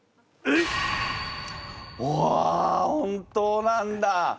うわ本当なんだ！